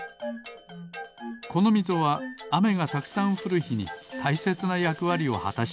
このみぞはあめがたくさんふるひにたいせつなやくわりをはたしています。